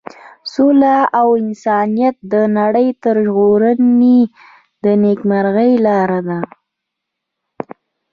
سوله او انسانیت د نړۍ د ژغورنې او نیکمرغۍ لاره ده.